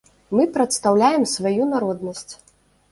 Мы прадстаўляем сваю народнасць.